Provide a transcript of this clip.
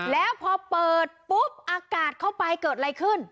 แล้วพอเปิดปุ๊บอากาศเข้าไปเกิดอะไรขึ้น